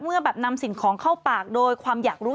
แบบนำสิ่งของเข้าปากโดยความอยากรู้